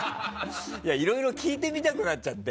いろいろ聞いてみたくなっちゃって。